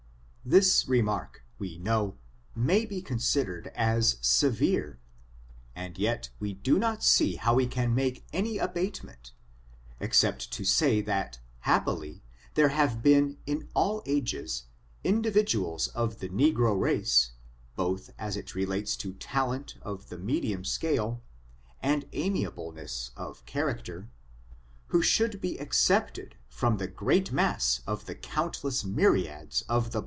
This remark, we know, may be considered as se vere, and yet we do not see how we can make any abatement, except to say that, happily, there have been, in all ages, individuals of the ne^o race, both as it relates to talent of the medium scale, and amiableness of character, who should be excepted from the great mass of the countless myriads of the ^^i^^^^^^^^^^^S^ FOUfVVlBB, OF lltfi NEGRO UACE.